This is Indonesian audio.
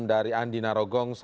dari andi narogong